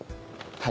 はい。